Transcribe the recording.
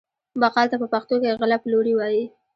بقال ته په پښتو کې غله پلوری وايي.